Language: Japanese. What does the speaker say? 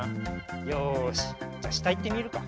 よしじゃしたいってみるか。